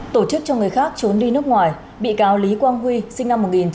tổ chức cho người khác trốn đi nước ngoài bị cáo lý quang huy sinh năm một nghìn chín trăm tám mươi